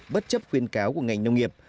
bất chấp khuyên cáo của ngành nông nghiệp